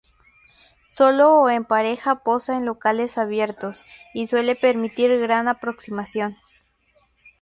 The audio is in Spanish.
Solo o en pareja, posa en locales abiertos y suele permitir gran aproximación.